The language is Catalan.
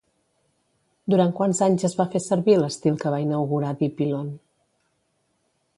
Durant quants anys es va fer servir l'estil que va inaugurar Dípilon?